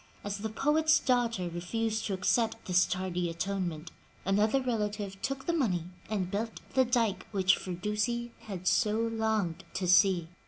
As the poet's daughter refused to accept this tardy atonement, another relative took the money and built the dike which Firdusi had so longed to see.